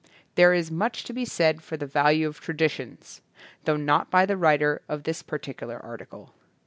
There is much to be said for the value of traditions, though not by the writer of this particular article.